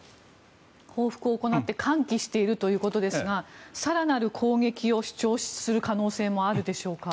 報復を行って歓喜しているということですが更なる攻撃を主張する可能性もあるでしょうか？